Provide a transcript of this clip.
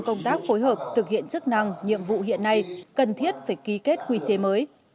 các phối hợp thực hiện chức năng nhiệm vụ hiện nay cần thiết phải ký kết quy chế mới